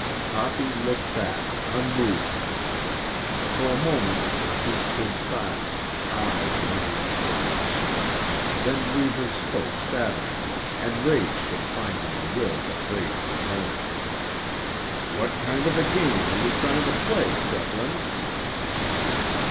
Toppy looked back, unmoved. For a moment the two stood silent, eye measuring eye. Then Reivers spoke savagely, enraged at finding a will that braved his own. "What kind of a game are you trying to play, Treplin?"